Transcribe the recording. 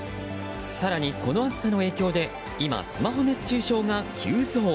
更にこの暑さの影響で今、スマホ熱中症が急増。